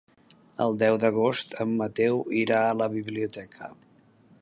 El deu d'agost en Mateu irà a la biblioteca.